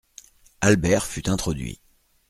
Albert fut introduit.